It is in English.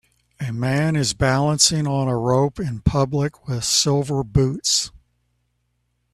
A man is balancing on a rope in public with silver boots.